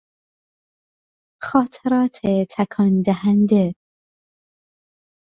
خاطرات تکان دهنده